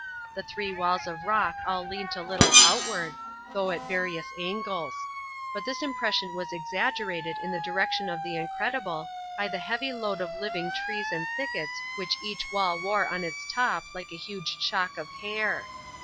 The three walls of rock all leant a little outward, though at various angles; but this impression was exaggerated in the direction of the incredible by the heavy load of living trees and thickets which each wall wore on its top like a huge shock of hair.